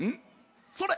それ！